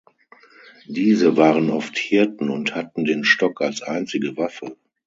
Diese waren oft Hirten und hatten den Stock als einzige Waffe.